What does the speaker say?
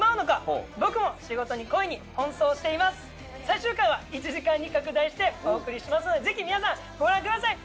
最終回は１時間に拡大してお送りしますのでぜひ皆さんご覧ください。